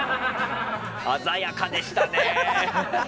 鮮やかでしたね。